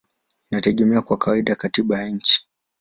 inategemea kwa kawaida katiba ya nchi.